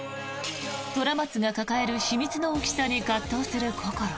虎松が抱える秘密の大きさに葛藤するこころ。